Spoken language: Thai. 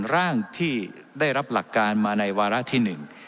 ร่างที่ได้รับหลักการมาในวาระที่หนึ่ง